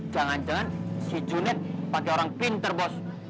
jangan jangan si unit pakai orang pinter bos